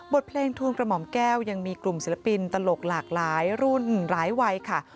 เพลงทูลกระหม่อมแก้วยังมีกลุ่มศิลปินตลกหลากหลายรุ่นหลายวัยค่ะ